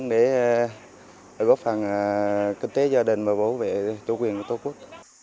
để góp phần kinh tế gia đình và bảo vệ chủ quyền của tổ quốc